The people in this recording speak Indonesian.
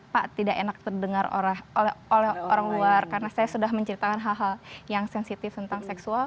pak tidak enak terdengar oleh orang luar karena saya sudah menceritakan hal hal yang sensitif tentang seksual